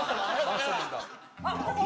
あっ。